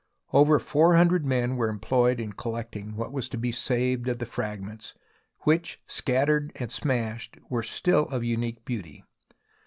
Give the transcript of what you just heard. Over four hundred men were employed in collect ing what was to be saved of the fragments which, shattered and smashed, were still of unique beauty.